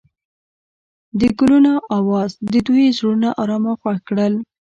د ګلونه اواز د دوی زړونه ارامه او خوښ کړل.